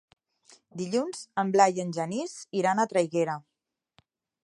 Dilluns en Blai i en Genís iran a Traiguera.